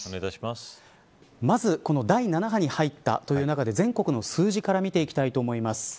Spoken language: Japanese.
まず第７波に入ったという中で全国の数字から見ていきたいと思います。